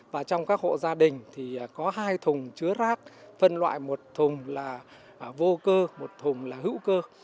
và trong các hộ gia đình thì có hai thùng chứa rác phân loại một thùng là vô cơ một thùng là hữu cơ